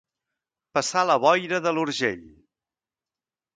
Passar la boira de l'Urgell.